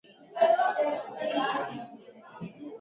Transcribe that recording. Watu kwani wao huamua ni nini linawafanya wawe au wasiwe na nia